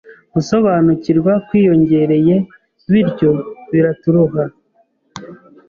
Gusobanukirwa kwiyongereye bityo biraturoha